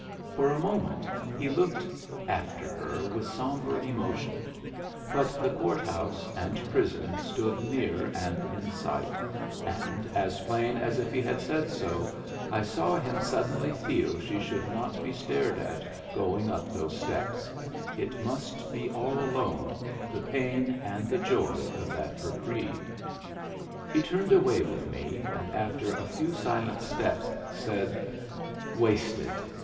For a moment he looked after her with sombre emotion; but the court house and prison stood near and in sight, and, as plain as if he had said so, I saw him suddenly feel she should not be stared at going up those steps; it must be all alone, the pain and the joy of that reprieve! He turned away with me, and after a few silent steps said, "Wasted!